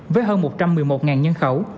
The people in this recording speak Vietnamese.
với hơn một trăm một mươi một nhân khẩu